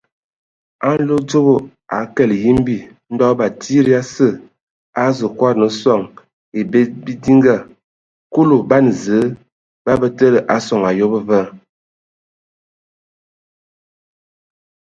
A nlodzobo a kələg yimbi, Ndɔ batsidi asǝ a azu kɔdan sɔŋ ebɛ bidinga; Kulu ban Zǝə bə təlǝ a soŋ ayob va.